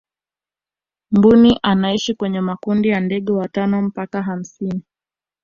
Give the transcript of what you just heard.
mbuni anaishi kwenye makundi ya ndege watano mpaka hamsini